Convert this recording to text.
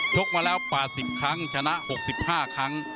กมาแล้ว๘๐ครั้งชนะ๖๕ครั้ง